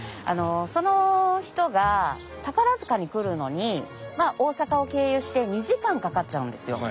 その人が宝塚に来るのに大阪を経由して２時間かかっちゃうんですよ。